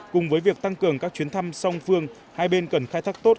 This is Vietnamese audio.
cùng với việc tăng cường các chuyến thăm song phương hai bên cần khai thác tốt